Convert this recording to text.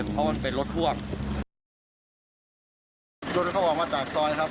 เพราะมันเป็นรถพ่วงจนเขาออกมาจากซอยครับ